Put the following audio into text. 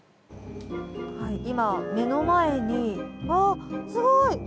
今、目の前にうわあ、すごい！